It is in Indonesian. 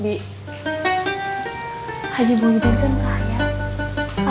be haji bumi bintang kaya